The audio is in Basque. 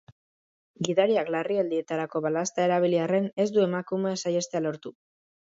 Gidariak larrialdietarako balazta erabili arren ez du emakumea saihestea lortu.